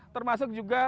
termasuk juga per hari